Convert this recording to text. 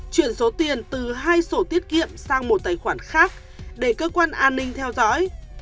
chuyển số tiền từ hai sổ tiết kiệm sang một tài khoản khác để cơ quan an ninh theo dõi